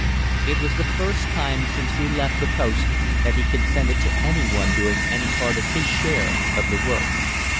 It was the first time since we left the post that he consented to anyone doing any part of his share of the work.